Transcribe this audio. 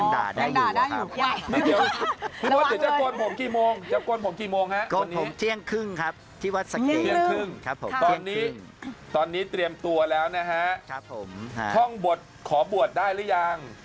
เตรียมตัวแล้วข้อบวชได้หรือยัง